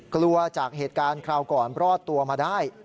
กลัวจากเหตุการณ์คราวก่อนรอดตัวมาได้